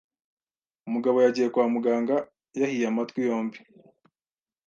Umugabo yagiye kwa muganga yahiye amatwi yombi,